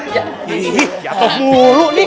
ih jatuh mulu nih